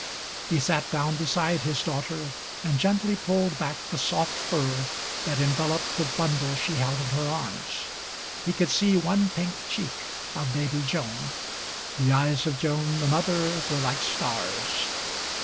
He sat down beside his daughter, and gently pulled back the soft fur that enveloped the bundle she held in her arms. He could see one pink cheek of baby Joan. The eyes of Joan, the mother, were like stars.